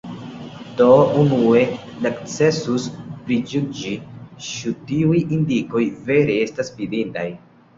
Do, unue necesus prijuĝi, ĉu tiuj indikoj vere estas fidindaj.